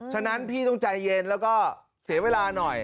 ฉะนั้นพี่ต้องใจเย็นแล้วก็เสียเวลาหน่อย